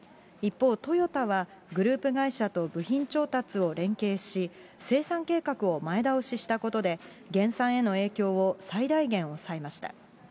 一方、トヨタはグループ会社と部品調達を連携し、生産計画を前倒ししたことで、減産への影響を最大限抑えました。